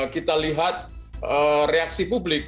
kita lihat reaksi publik